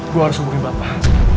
gue harus hubungi bapak